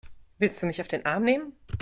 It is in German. Willst du mich auf den Arm nehmen?